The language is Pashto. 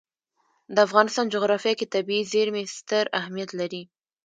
د افغانستان جغرافیه کې طبیعي زیرمې ستر اهمیت لري.